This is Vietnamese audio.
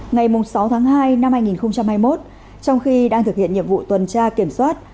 ngày sáu tháng hai năm hai nghìn hai mươi một trong khi đang thực hiện nhiệm vụ tuần tra kiểm soát